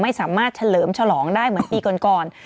ไม่สามารถเฉลิมฉลองได้เหมือนปีก่อน